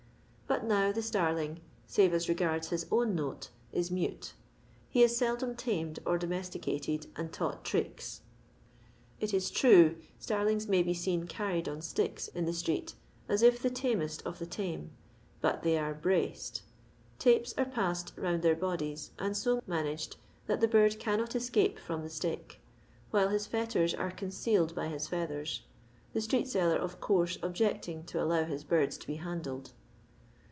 But now the starling, save as re gards his own note, is mute. He is seldom tamed or domesticated and taught tricks. It ia true starlings may be seen carried on sticks in the street as if the tamest of the tame, but they are braced." Tapes are pessed round their bodies^ and so managed that the bird cannot eecape firon the stick, while his fetters are concealed by his feathers, the street seller of course objecting to allow his birds to be handled.